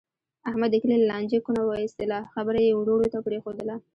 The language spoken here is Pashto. احمد د کلي له لانجې کونه و ایستله. خبره یې ورڼو ته پرېښودله.